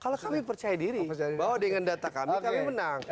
kalau kami percaya diri bahwa dengan data kami kami menang